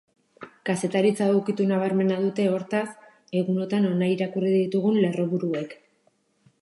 Kazetaritza ukitu nabarmena dute, hortaz, egunotan nonahi irakurri ditugun lerroburuek.